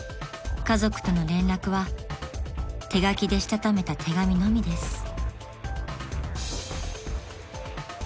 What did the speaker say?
［家族との連絡は手書きでしたためた手紙のみです］